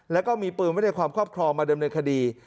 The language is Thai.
แล้วก็มีปืนไว้ในความครอบครองมาดำเนินคดี